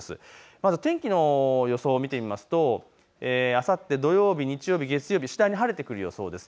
まず天気の予想、見てみますとあさって土曜日、日曜日、月曜日、次第に晴れてくる予想です。